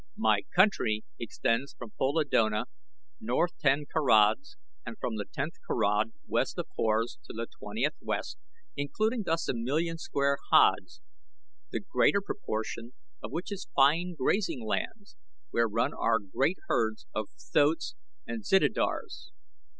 My country extends from Polodona (Equator) north ten karads and from the tenth karad west of Horz to the twentieth west, including thus a million square haads, the greater proportion of which is fine grazing land where run our great herds of thoats and zitidars.